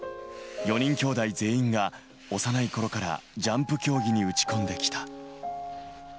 ４人きょうだい全員が幼い頃からジャンプ競技に打ち込んできた。